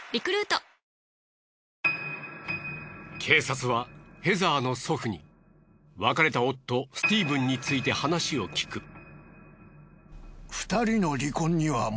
警察はヘザーの祖父に別れた夫スティーブンについて話を聞く。